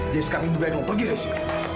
jadi sekarang itu baik lu pergi dari sini